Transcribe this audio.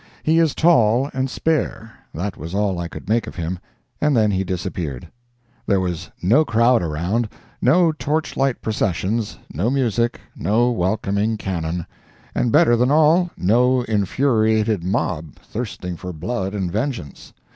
He is tall and spare—that was all I could make of him—and then he disappeared. There was no crowd around, no torchlight processions, no music, no welcoming cannon—and better than all, no infuriated mob, thirsting for blood and vengeance.